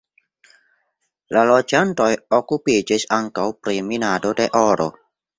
La loĝantoj okupiĝis ankaŭ pri minado de oro.